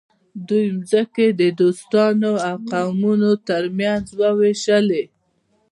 دوی ځمکې د دوستانو او قومونو ترمنځ وویشلې.